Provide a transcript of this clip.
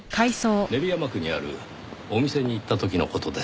練山区にあるお店に行った時の事です。